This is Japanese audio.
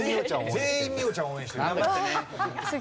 全員美緒ちゃんを応援してる。